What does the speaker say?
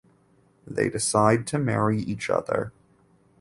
They decide to marry each other.